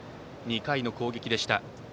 ２回の攻撃でした。